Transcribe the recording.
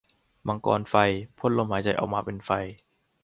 มังกรไฟ พ่นลมหายใจออกมาเป็นไฟ